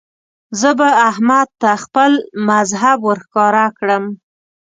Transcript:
زه به احمد ته خپل مذهب ور ښکاره کړم.